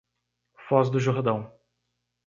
Foz do Jordão